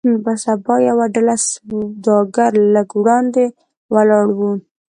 پر سبا يوه ډله سوداګر لږ وړاندې ولاړ وو.